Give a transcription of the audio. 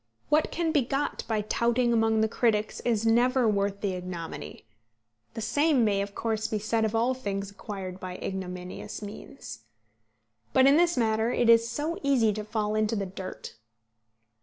What can be got by touting among the critics is never worth the ignominy. The same may of course be said of all things acquired by ignominious means. But in this matter it is so easy to fall into the dirt.